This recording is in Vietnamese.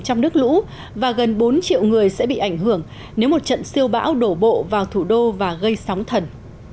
trong nước lũ và gần bốn triệu người sẽ bị ảnh hưởng nếu một trận siêu bão đổ bộ vào thủ đô và gây sóng thần